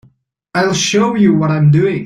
I'll show you what I'm doing.